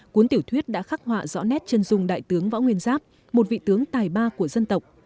cuốn tiểu thuyết đã khắc họa rõ nét chân dung đại tướng võ nguyên giáp một vị tướng tài ba của dân tộc